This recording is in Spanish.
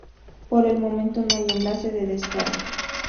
Por el momento no hay enlace de descarga.